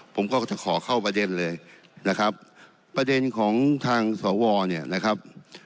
ผมก็จะขอเข้าประเด็นเลยนะครับประเด็นของทางสวเนี่ยนะครับ